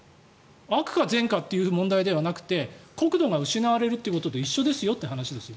悪か善かという問題ではなくて国土が失われるということで一緒ですよという話ですよ。